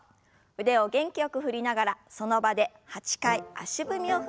腕を元気よく振りながらその場で８回足踏みを踏みます。